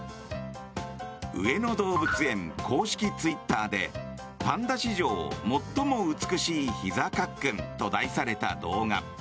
上野動物園公式ツイッターで「パンダ史上最も美しいひざカックン」と題された動画。